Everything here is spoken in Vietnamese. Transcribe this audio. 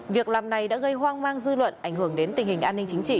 việc làm này đã gây hoang mang dư luận ảnh hưởng đến tình hình an ninh chính trị